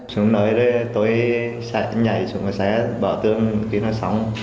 chúng nói tôi sẽ nhảy chúng sẽ bỏ tương khi nó sống